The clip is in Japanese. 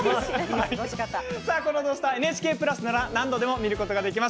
この「土スタ」はＮＨＫプラスなら何度も見ることができます。